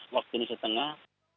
waktu ini setengah